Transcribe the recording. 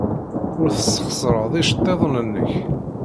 Ur tesxeṣred iceḍḍiḍen-nnek.